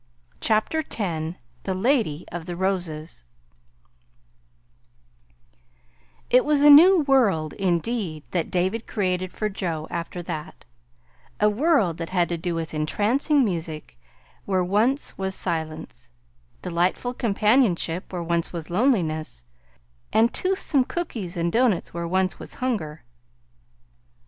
CHAPTER X THE LADY OF THE ROSES It was a new world, indeed, that David created for Joe after that a world that had to do with entrancing music where once was silence; delightful companionship where once was loneliness; and toothsome cookies and doughnuts where once was hunger.